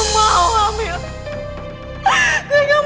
belom ada yang "